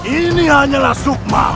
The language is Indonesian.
ini hanyalah sukma